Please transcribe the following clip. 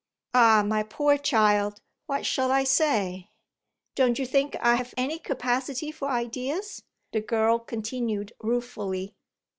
"Ah my poor child, what shall I say?" "Don't you think I've any capacity for ideas?" the girl continued ruefully.